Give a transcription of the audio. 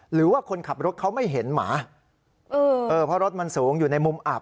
หรือว่าคนขับรถเขาไม่เห็นหมาเออเพราะรถมันสูงอยู่ในมุมอับ